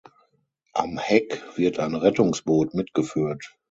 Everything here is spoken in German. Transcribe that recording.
Am Heck wird ein Rettungsboot mitgeführt.